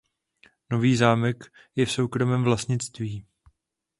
Nový zámek je v soukromém vlastnictví.